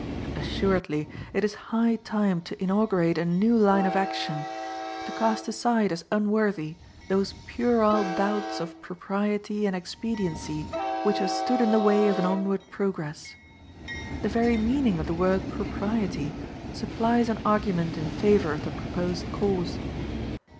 Assuredly it is high time to inaugurate a new line of action; to cast aside as unworthy those puerile doubts of propriety and expediency which have stood in the way of an onward progress. The very meaning of the word "propriety" supplies an argument in favor of the proposed course.